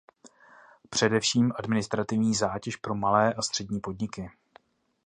Především administrativní zátěž pro malé a střední podniky.